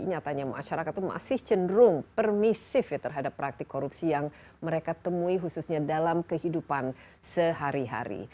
nyatanya masyarakat itu masih cenderung permisif ya terhadap praktik korupsi yang mereka temui khususnya dalam kehidupan sehari hari